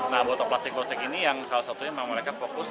nah botol plastik proyek ini yang salah satunya memang mereka fokus